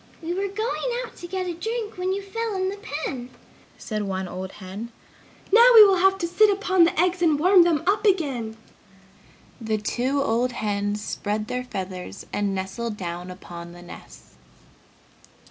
"We were going out to get a drink when you fell in the pen!" said one old hen. "Now we will have to sit upon the eggs and warm them up again!" The two old hens spread their feathers and nestled down upon the nests.